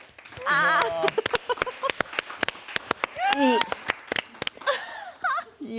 いい。